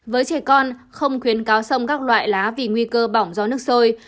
với trẻ con không khuyến cáo sông các loại lá vì nguy cơ bỏng do nước sôi